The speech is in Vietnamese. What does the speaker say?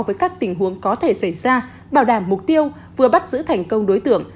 với các tình huống có thể xảy ra bảo đảm mục tiêu vừa bắt giữ thành công đối tượng